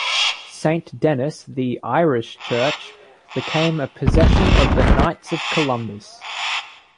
Saint Dennis, the "Irish" church, became a possession of the Knights of Columbus.